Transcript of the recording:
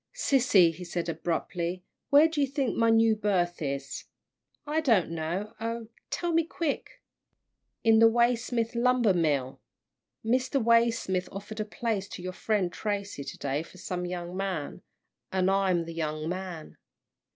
"Sissy," he said, abruptly, "where do you think my new berth is?" "I don't know oh, tell me quick." "In the Waysmith lumber mill. Mr. Waysmith offered a place to your friend Tracy to day for some young man, and I'm the young man."